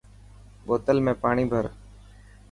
بوتل ۾ پاڻي ڀر.